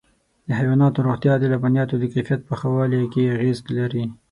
د حيواناتو روغتیا د لبنیاتو د کیفیت په ښه والي کې اغېز لري.